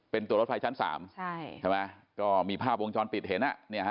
เป็นตัวรถไฟชั้น๓ก็มีภาพวงช้อนปิดเห็น